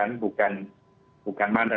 bukan bukan bukan mandat